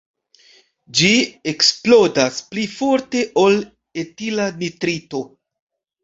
Ĝi eksplodas pli forte ol etila nitrito.